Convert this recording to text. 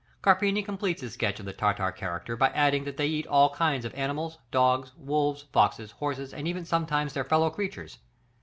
Carpini completes his sketch of the Tartar character by adding that they eat all kinds of animals, dogs, wolves, foxes, horses, and even sometimes their fellow creatures.